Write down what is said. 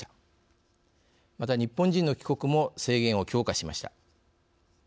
また日本人の帰国も制限を強化しました。